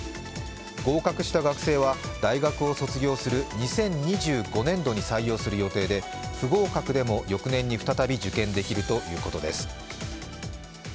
合格した学生は大学を卒業する２０２５年度に採用する予定で不合格でも、翌年に再び受験できるということです。